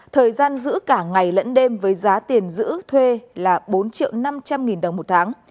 thời gian giữ cả ngày lẫn đêm với giá tiền giữ thuê là bốn triệu năm trăm linh nghìn đồng một tháng